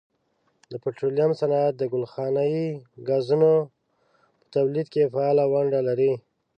د پټرولیم صنعت د ګلخانهیي ګازونو په تولید کې فعاله ونډه لري.